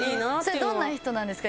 それどんな人なんですか？